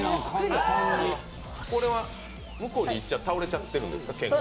これは向こうに１回、倒れちゃってるんですか、けんが。